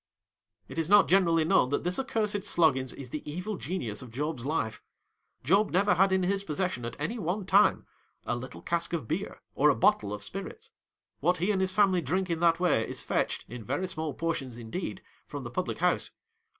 It is not generally known that this accursed Sloggins is the evil genius of Job's life. Job never had in his possession at any one time, a little cask of beer, or a bottle of spirits. What he and his family drink in that way, is fetched, in very small portions indeed, from the public house.